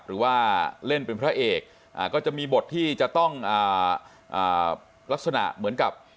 หรือว่าเล่นเป็นพระเอกก็จะมีบทที่จะต้องลักษณะเหมือนกับ